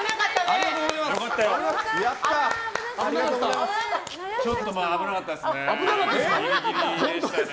ありがとうございます。